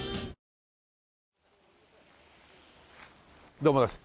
どうもです。